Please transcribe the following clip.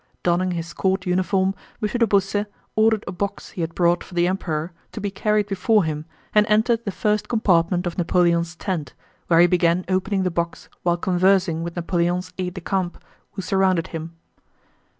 Donning his court uniform, M. de Beausset ordered a box he had brought for the Emperor to be carried before him and entered the first compartment of Napoleon's tent, where he began opening the box while conversing with Napoleon's aides de camp who surrounded him.